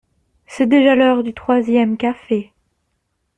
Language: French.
C’est déjà l’heure du troisième café.